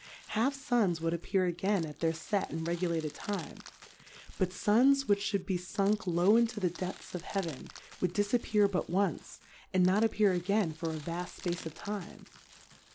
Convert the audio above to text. Half Suns would appear again at their fet and regulated Time. But Suns, which fl^ould be funk low into the depths of Heaven, would difappear but once, and not appear again for a vaft fpace of Time.